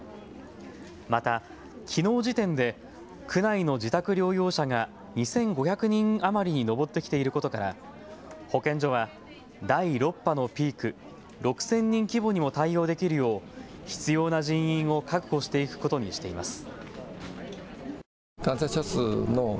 また、きのう時点で区内の自宅療養者が２５００人余りに上ってきていることから保健所は第６波のピーク、６０００人規模にも対応できるよう必要な人員を確保していくことにしています。